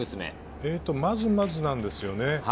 まずまずなんですよね。